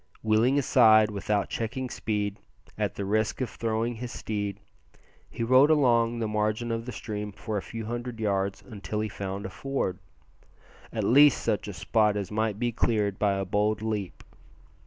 Wheeling aside without checking speed, at the risk of throwing his steed, he rode along the margin of the stream for a few hundred yards until he found a ford at least such a spot as might be cleared by a bold leap.